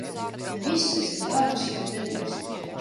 Ne viss, kas ir dārgs, ir derīgs.